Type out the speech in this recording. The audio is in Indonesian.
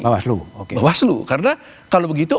bawah seluruh karena kalau begitu